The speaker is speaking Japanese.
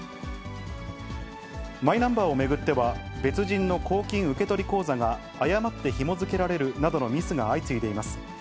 マイナンバーを巡っては、別人の公金受取口座が誤ってひも付けられるなどのミスが相次いでいます。